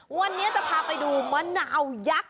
วันนี้จะพาไปดูมะนาวยักษ์